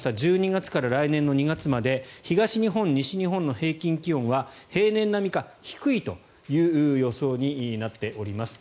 １２月から来年の２月まで東日本、西日本の平均気温は平年並みか低いという予想になっております。